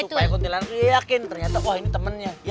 supaya kuntilanak yakin ternyata wah ini temennya